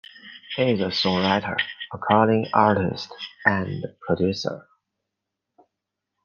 He is a songwriter, recording artist, and producer.